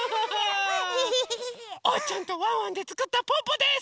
おうちゃんとワンワンでつくったぽぅぽです！